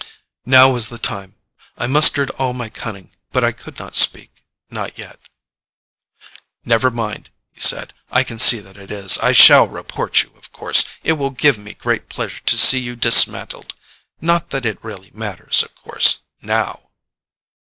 Now was the time. I mustered all my cunning, but I could not speak. Not yet. "Never mind," he said. "I can see that it is. I shall report you, of course. It will give me great pleasure to see you dismantled. Not that it really matters, of course now."